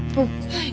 はい。